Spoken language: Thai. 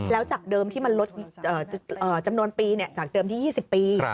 แล้วจากเดิมที่มันลดจำนวนปีจากเดิมที่๒๐ปี